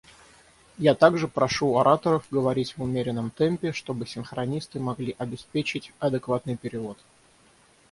Я также прошу ораторов говорить в умеренном темпе, чтобы синхронисты могли обеспечить адекватный перевод.